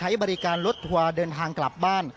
ให้บริการรถทัวร์เดินทางกลับบ้าน